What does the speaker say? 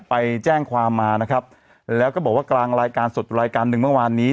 ไปแจ้งความมานะครับแล้วก็บอกว่ากลางรายการสดรายการหนึ่งเมื่อวานนี้